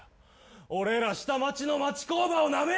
俺ら下町の町工場をなめやがって！